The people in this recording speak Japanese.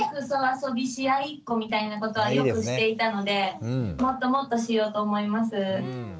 あそびし合いっこみたいなことはよくしていたのでもっともっとしようと思います。